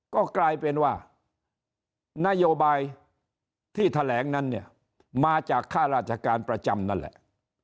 ก็กลายเป็นว่านโยบายที่แถลงนั้นเนี่ยมาจากค่าราชการประจำนั่นแหละ